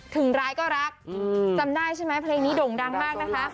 ร้ายก็รักจำได้ใช่ไหมเพลงนี้โด่งดังมากนะคะ